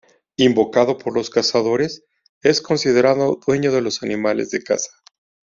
Invocado por los cazadores, es considerado dueño de los animales de caza.